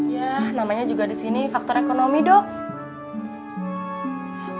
ya namanya juga di sini faktor ekonomi dok